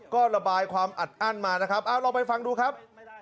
ก็ระบายความอัดอั้นมานะครับเอาลองไปฟังดูครับ